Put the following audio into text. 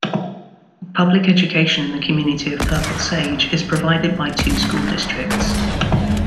Public education in the community of Purple Sage is provided by two school districts.